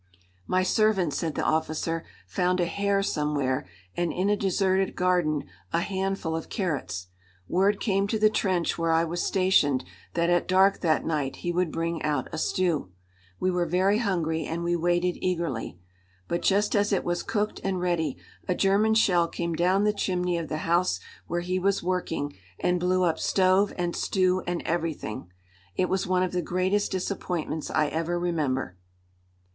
"My servant," said the officer, "found a hare somewhere, and in a deserted garden a handful of carrots. Word came to the trench where I was stationed that at dark that night he would bring out a stew. We were very hungry and we waited eagerly. But just as it was cooked and ready a German shell came down the chimney of the house where he was working and blew up stove and stew and everything. It was one of the greatest disappointments I ever remember."